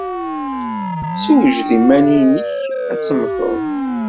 Ssewjed iman-nnek ad temmteḍ!